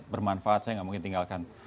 bermanfaat saya nggak mungkin tinggalkan